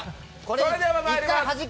それではまいります。